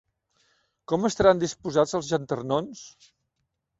Com estaran disposats els llanternons?